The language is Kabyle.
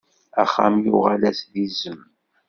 Axxam yuɣal-as d izem.